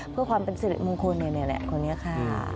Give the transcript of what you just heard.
เพื่อความเป็นสิริมงคลนี่แหละคนนี้ค่ะ